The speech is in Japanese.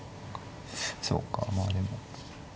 そうかまあでも。